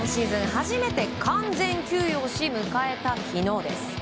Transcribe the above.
初めて完全休養し迎えた昨日です。